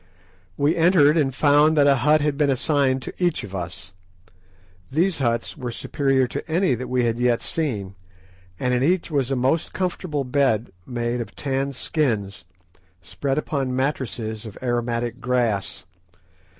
We entered, and found that a hut had been assigned to each of us. These huts were superior to any that we had yet seen, and in each was a most comfortable bed made of tanned skins, spread upon mattresses of aromatic grass.